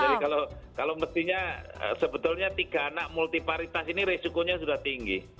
jadi kalau sebetulnya tiga anak multi paritas ini risikonya sudah tinggi